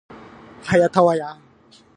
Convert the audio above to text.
はやたわた